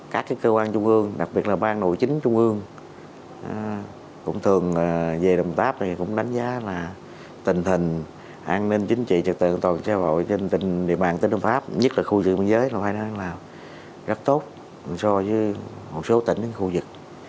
các cơ quan trung ương đặc biệt là ban nội chính trung ương cũng thường về đồng tháp thì cũng đánh giá là tình hình an ninh chính trị trật tự an toàn xã hội trên địa bàn tỉnh đồng tháp nhất là khu rừng biên giới nó phải nói là rất tốt so với một số tỉnh khu vực